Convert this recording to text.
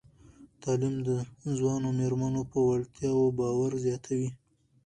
تعلیم د ځوانو میرمنو په وړتیاوو باور زیاتوي.